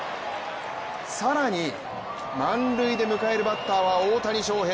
更に満塁で迎えるバッターは大谷翔平。